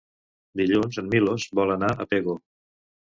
Dilluns en Milos vol anar a Pego.